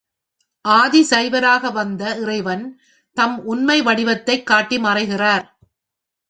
ஆதிசைவராக வந்த இறைவன் தம் உண்மை வடிவைக் காட்டி மறைகிறார்.